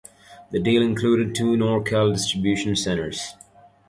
The deal included two NorCal distribution centers.